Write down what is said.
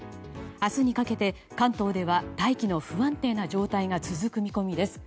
明日にかけて関東では大気の不安定な状態が続く見込みです。